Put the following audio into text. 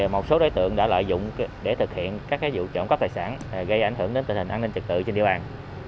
một số đối tượng đã lợi dụng để thực hiện các vụ trộm cắp tài sản gây ảnh hưởng đến tình hình an ninh trật tự trên địa bàn